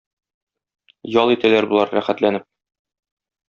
Ял итәләр болар, рәхәтләнеп.